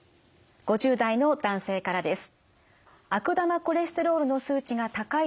５０代の男性からです。